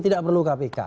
tidak perlu kpk